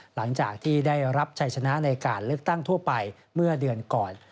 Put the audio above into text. หลังจากที่ได้รับชัยชนะในการเลือกตั้งทั่วไปเมื่อเดือนก่อน